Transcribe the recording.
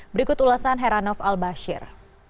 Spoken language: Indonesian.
berikut ulasan heranov al bashir